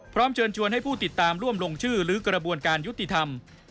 เชิญชวนให้ผู้ติดตามร่วมลงชื่อหรือกระบวนการยุติธรรม